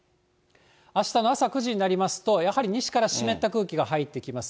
あしたの朝９時になりますと、やはり西から湿った空気が入ってきます。